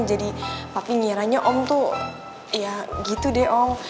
jadi papi ngiranya om tuh ya gitu deh om